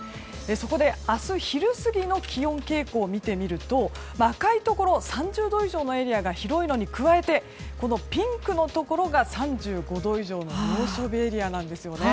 そこで、明日昼過ぎの気温傾向を見てみると赤いところ３０度以上のエリアが広いのに加えてピンクのところが３５度以上の猛暑日エリアなんですよね。